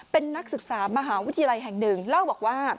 เป็นนักศึกษามหาวิทยาลัยแห่งหนึ่งเล่าบอกว่า